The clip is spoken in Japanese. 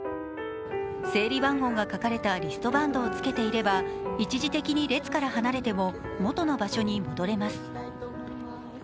整理番号が書かれたリストバンドを着けていれば一時的に列から離れても元の場所に戻れます。